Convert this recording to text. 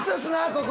ここ。